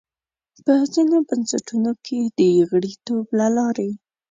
په ځینو بنسټونو کې د غړیتوب له لارې.